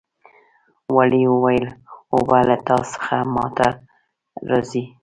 وري وویل اوبه له تا څخه ما ته راځي.